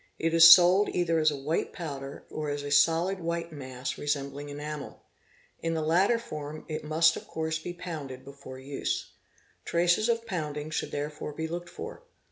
It is sold either as a vhite powder or as a solid white mass resembling enamel; in the latter wm it must of course be pounded before use. Traces of pounding ould therefore be looked for.